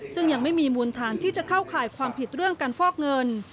ซึ่งยังไม่มีมูลฐานที่จะเข้าข่ายความผิดเรื่องการฟอกเงิน